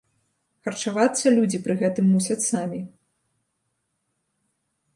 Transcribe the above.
Харчавацца людзі пры гэтым мусяць самі.